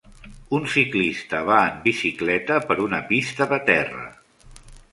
Un ciclista va en bicicleta per una pista de terra